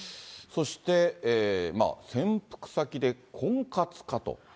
そして、潜伏先で婚活かと。